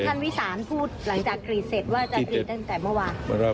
วิสานพูดหลังจากกรีดเสร็จว่าจะกรีดตั้งแต่เมื่อวาน